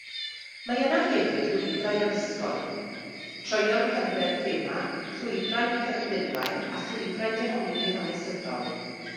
Mae yna hefyd lwybrau addysgol, troeon cerdded thema, llwybrau cerflunwaith a llwybrau dehongli hanesyddol.